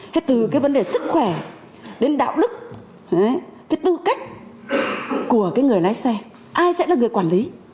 thế từ cái vấn đề sức khỏe đến đạo đức cái tư cách của cái người lái xe ai sẽ là người quản lý